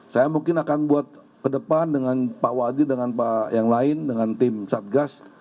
saya mungkin akan buat ke depan dengan pak wadid dengan pak yang lain dengan tim satgas